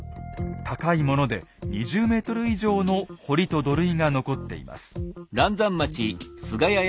高いもので２０ｍ以上の堀と土塁が残っています。